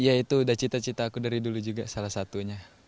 iya itu udah cita cita aku dari dulu juga salah satunya